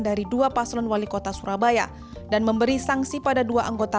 dari dua paslon wali kota surabaya dan memberi sanksi pada dua anggota